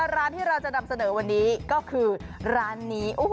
ร้านที่เราจะนำเสนอวันนี้ก็คือร้านนี้